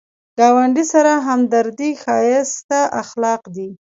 ګاونډي سره همدردي ښایسته اخلاق دي